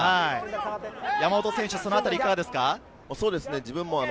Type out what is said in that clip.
山本選手、そのあたりいかがですか？